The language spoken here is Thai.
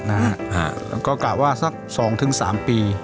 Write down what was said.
กักว่าสัก๒๓ปี